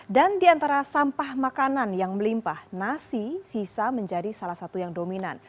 dan di antara sampah makanan yang melimpah nasi sisa menjadi salah satu yang dominan